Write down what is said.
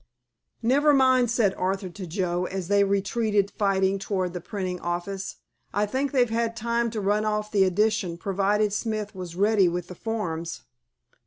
"Never mind," said Arthur to Joe, as they retreated fighting toward the printing office; "I think they've had time to run off the edition, provided Smith was ready with the forms."